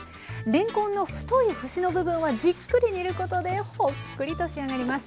れんこんの太い節の部分はじっくり煮ることでホックリと仕上がります。